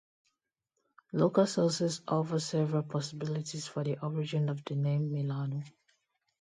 Local sources offer several possibilities for the origin of the name Milano.